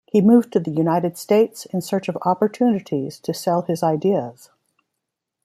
He moved to the United States in search of opportunities to sell his ideas.